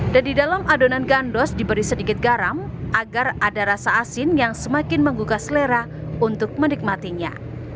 dan di dalam adonan gandos diberi sedikit garam agar ada rasa asin yang semakin menggugah selera untuk menikmatinya